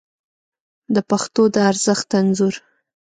د پښتو د ارزښت انځور